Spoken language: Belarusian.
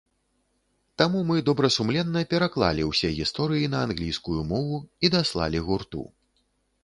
Таму мы добрасумленна пераклалі ўсе гісторыі на англійскую мову і даслалі гурту.